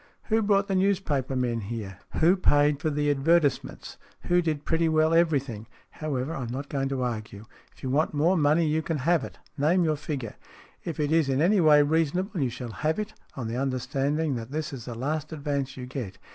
Who brought the newspaper men here ? Who paid for the advertisements? Who did pretty well everything ? However, I'm not going to argue. If you want more money, you can have it. Name your figure. If it is in any way reason able, you shall have it, on the understanding that this is the last advance you get.